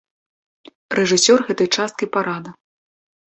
Рэжысёр гэтай часткі парада.